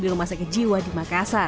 di rumah sekejiwa di makassar